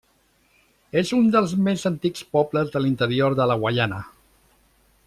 És un dels més antics pobles de l'interior de la Guaiana.